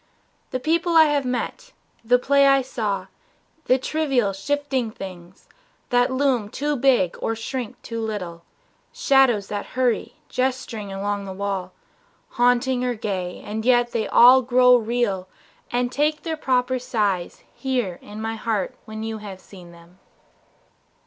The people I have met, The play I saw, the trivial, shifting things That loom too big or shrink too little, shadows That hurry, gesturing along a wall, Haunting or gay and yet they all grow real And take their proper size here in my heart When you have seen them.